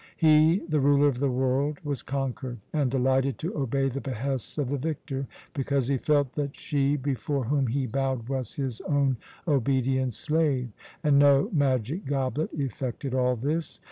He, the ruler of the world, was conquered, and delighted to obey the behests of the victor, because he felt that she before whom he bowed was his own obedient slave. And no magic goblet effected all this.